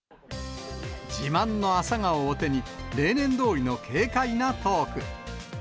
自慢のアサガオを手に、例年どおりの軽快なトーク。